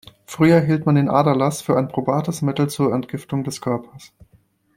Früher hielt man den Aderlass für ein probates Mittel zur Entgiftung des Körpers.